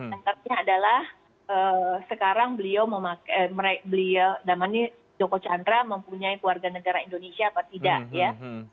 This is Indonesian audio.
yang penting adalah sekarang beliau namanya joko chandra mempunyai keluarga negara indonesia apa tidak ya